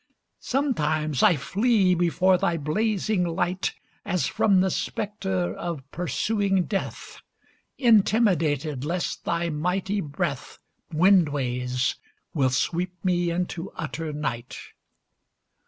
Sometimes I flee before thy blazing light, As from the specter of pursuing death; Intimidated lest thy mighty breath, Windways, will sweep me into utter night.